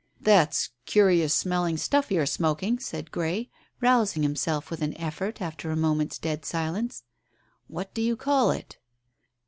"That's curious smelling stuff you're smoking," said Grey, rousing himself with an effort after a moment's dead silence. "What do you call it?"